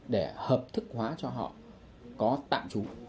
để hợp thức hóa cho họ có tạm trú